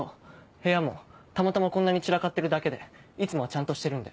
部屋もたまたまこんなに散らかってるだけでいつもはちゃんとしてるんで。